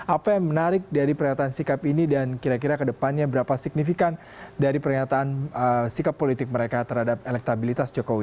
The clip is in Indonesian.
apa yang menarik dari pernyataan sikap ini dan kira kira kedepannya berapa signifikan dari pernyataan sikap politik mereka terhadap elektabilitas jokowi